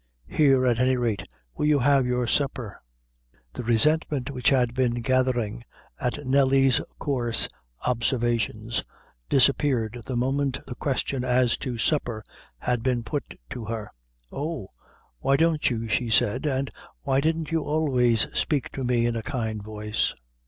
Here, at any rate, will you have your supper?" The resentment which had been gathering at Nelly's coarse observations, disappeared the moment the question as to supper had been put to her. "Oh! why don't you," she said; "and why didn't you always spake to me in a kind voice?"